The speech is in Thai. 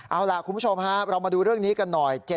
เอาล่ะคุณผู้ชมฮะเรามาดูเรื่องนี้กันหน่อย